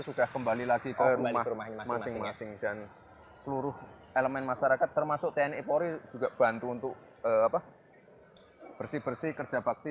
seluruh elemen masyarakat termasuk tni polri juga bantu untuk apa bersih bersih kerja bakti